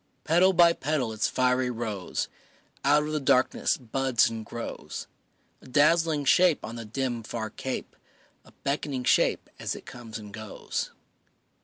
Petal by petal its fiery rose Out of the darkness buds and grows; A dazzling shape on the dim, far cape, A beckoning shape as it comes and goes.